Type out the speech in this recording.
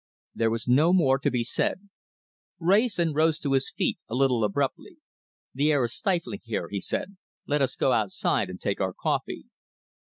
There was no more to be said. Wrayson rose to his feet a little abruptly. "The air is stifling here," he said. "Let us go outside and take our coffee."